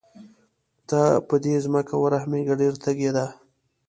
ته په دې ځمکه ورحمېږه ډېره تږې ده.